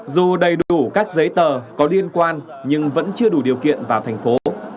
dù đầy đủ các giấy tờ có liên quan nhưng vẫn chưa đủ điều kiện vào thành phố